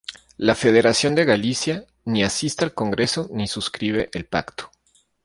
La Federación de Galicia, ni asiste al Congreso ni suscribe el pacto.